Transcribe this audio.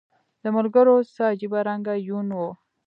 د ملګرو څه عجیبه رنګه یون و